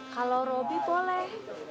kalau robi boleh